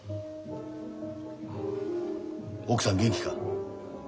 奥さん元気か。